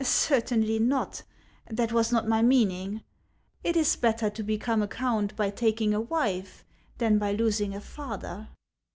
" Certainly not ; that was not my meaning. It is bet ter to become a count by taking a wife than by losing a lather."